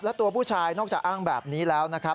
และตัวผู้ชายนอกจากอ้างแบบนี้แล้วนะครับ